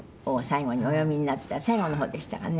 最後の方でしたかね。